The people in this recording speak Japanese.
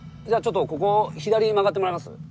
じゃあちょっとここ左曲がってもらえます？